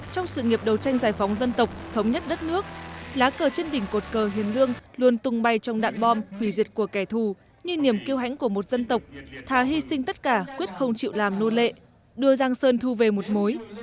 trong sự nghiệp đấu tranh giải phóng dân tộc thống nhất đất nước lá cờ trên đỉnh cột cờ hiền lương luôn tung bay trong đạn bom hủy diệt của kẻ thù như niềm kiêu hãnh của một dân tộc thà hy sinh tất cả quyết không chịu làm nô lệ đưa giang sơn thu về một mối